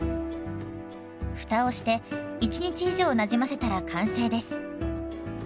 蓋をして１日以上なじませたら完成です。